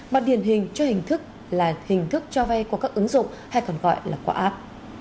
mà điển hình cho hình thức là hình thức cho vay qua các ứng dụng hay còn gọi là qua app